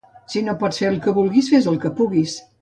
Si no pots fer el que vulguis, fes el que puguis.